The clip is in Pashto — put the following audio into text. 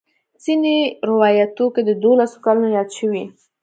ځینې روایاتو کې د دولسو کلونو یاد شوی.